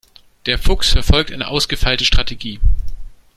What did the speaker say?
Der Fuchs verfolgt eine ausgefeilte Strategie.